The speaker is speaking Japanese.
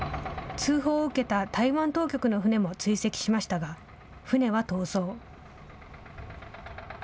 通報を受けた台湾当局の船も追跡しましたが、船は逃走。